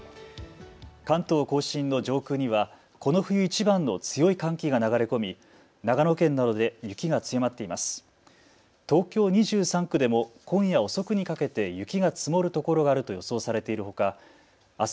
関東甲信の上空にはこの冬いちばんの強い寒気が流れ込み、長野県などで雪が強まっています。